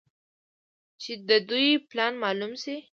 چې د دوى پلان مالوم سي.